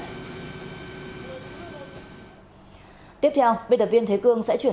tiếp theo bệnh tập viên thế cương sẽ chuyển đến quý vị và các bạn những thông tin về truy nã tội phạm